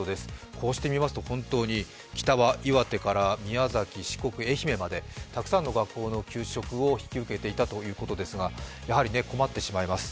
こうして見ますと、本当に北は岩手から宮崎、四国、愛媛まで、たくさんの学校の給食を引き受けていたということですが、やはり困ってしまいます。